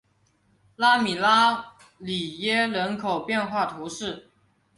拉米拉里耶人口变化图示